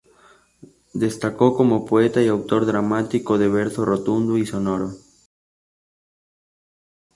Destacó como poeta y autor dramático de verso rotundo y sonoro.